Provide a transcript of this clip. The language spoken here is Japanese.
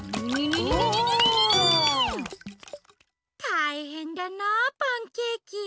たいへんだなあパンケーキ。